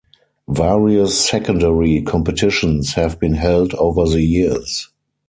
Various secondary competitions have been held over the years.